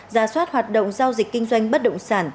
giả soát hoạt động giao dịch kinh doanh bất động sản